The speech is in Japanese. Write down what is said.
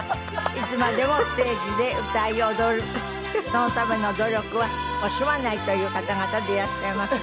いつまでもステージで歌い踊るそのための努力は惜しまないという方々でいらっしゃいます。